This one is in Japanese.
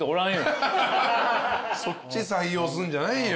そっち採用すんじゃないよ。